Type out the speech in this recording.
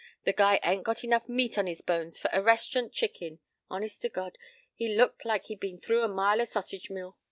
The guy ain't got enough meat on his bones for a rest'rant chicken. Honest to God, he looked like he'd been through a mile o' sausage mill.